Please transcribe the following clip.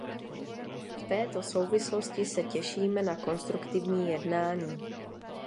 V této souvislosti se těšíme na konstruktivní jednání.